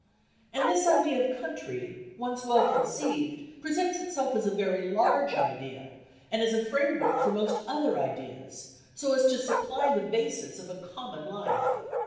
And this idea of country, once well conceived, presents itself as a very large idea, and as a framework for most other ideas, so as to supply the basis of a common life.